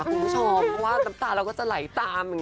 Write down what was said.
คุณชอบว่าน้ำตาเราก็จะไหลตาม